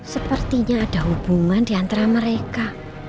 sepertinya ada hubungan di antara mereka